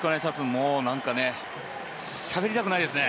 もうなんかしゃべりたくないですね。